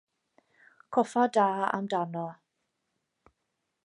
Coffa da amdano.